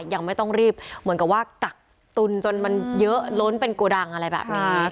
ยังไม่ต้องรีบเหมือนกับว่ากักตุนจนมันเยอะล้นเป็นโกดังอะไรแบบนี้